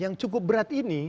yang cukup berat ini